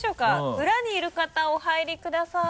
裏にいる方お入りください。